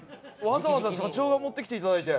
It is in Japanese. わざわざ社長が持ってきていただいて。